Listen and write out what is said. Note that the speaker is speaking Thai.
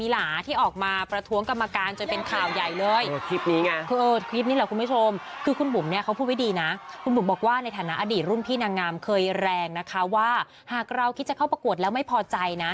หากเราคิดจะเข้าประกวดแล้วไม่พอใจนะ